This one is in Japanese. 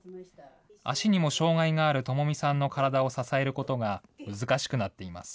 足にも障害がある知美さんの体を支えることが難しくなっています。